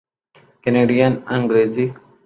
Canadian Angrezi